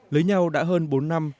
lấy nhau đã hơn bốn năm